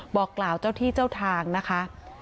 บอกกล่าวเจ้าที่เจ้าทางนะคะ